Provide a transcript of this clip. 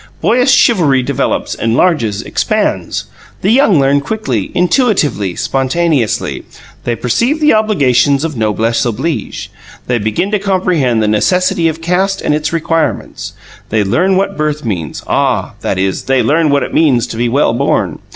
Boyish chivalry develops, enlarges, expands. The young learn quickly, intuitively, spontaneously. They perceive the obligations of noblesse oblige. They begin to comprehend the necessity of caste and its requirements. They learn what birth means ah, that is, they learn what it means to be well born.